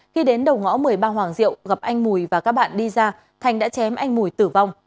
khi đến đầu ngõ một mươi ba hoàng diệu gặp anh mùi và các bạn đi ra thành đã chém anh mùi tử vong